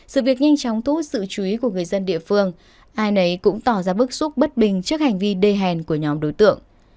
sự việc nhanh chóng thu hút sự chú ý của người dân địa phương ai nấy cũng tỏ ra bức xúc bất bình trước hành vi đê hèn của nhóm đối tượng